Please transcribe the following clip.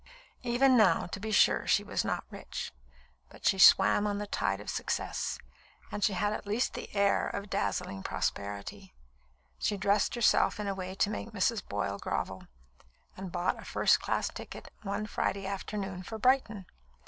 Even now, to be sure, she was not rich, but she swam on the tide of success, and she had at least the air of dazzling prosperity. She dressed herself in a way to make Mrs. Boyle grovel, and bought a first class ticket, one Friday afternoon, for Brighton.